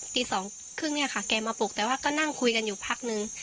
ตีสองครึ่งเนี่ยค่ะแกมาปลุกแต่ว่าก็นั่งคุยกันอยู่พักนึง